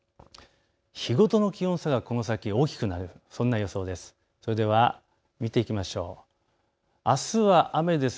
日ごとの気温差がこの先大きくなる、そんな予想です。